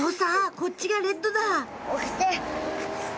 こっちがレッドだ」おきて。